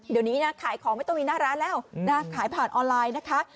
เดี๋ยวนี้นะขายของไม่ต้องมีหน้าร้านแล้วนะขายผ่านออนไลน์นะคะ